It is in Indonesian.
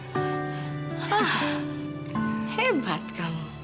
hah hebat kamu